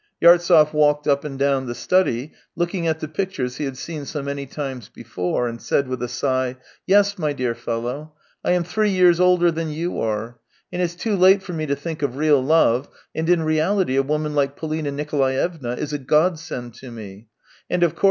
Yartsev walked up and down the study, looking at the pictures he had seen so many times before, and said with a sigh: " Yes, my dear fellow, I am three years older than you are, and it's too late for me to think of real love, and in reality a woman like Polina Nikolaevna is a godsend to me, and, of course.